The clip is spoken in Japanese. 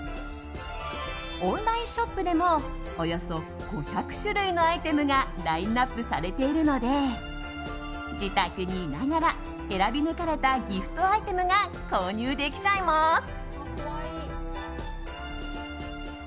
オンラインショップでもおよそ５００種類のアイテムがラインアップされているので自宅にいながら選び抜かれたギフトアイテムが購入できちゃいます。